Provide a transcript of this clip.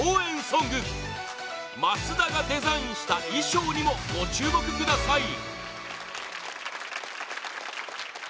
ソング増田がデザインした衣装にもご注目ください